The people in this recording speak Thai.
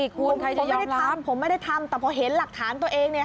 ใครจะยอมรับผมไม่ได้ทำแต่พอเห็นหลักฐานตัวเอง